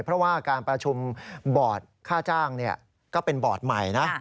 เพราะว่าการประชุมบอร์ดค่าจ้างก็เป็นบอร์ดใหม่นะ